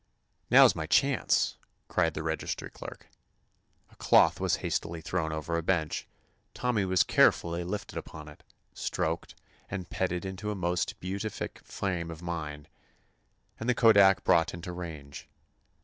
"Now 's my chance," cried the reg istry clerk. A cloth was hastily thrown over a bench, Tommy was carefully lifted upon it, stroked and petted into a most beatific frame of mind, and the kodak brought into range.